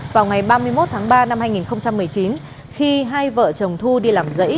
vào ngày ba mươi một tháng ba năm hai nghìn một mươi chín khi hai vợ chồng thu đi làm rẫy